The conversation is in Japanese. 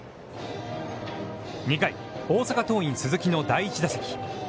２回、大阪桐蔭、鈴木の第１打席。